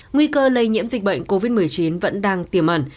nguy cơ lây nhiễm dịch bệnh covid một mươi chín vẫn đang tiềm ẩn